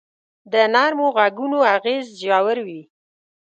د نرمو ږغونو اغېز ژور وي.